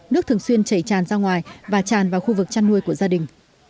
nước thường xuyên chảy tràn ra ngoài và tràn vào khu vực chăn nuôi của gia đình